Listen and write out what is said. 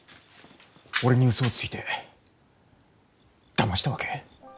俺にウソをついてだましたわけ？